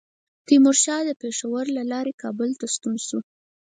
تیمورشاه پېښور له لارې کابل ته ستون شو.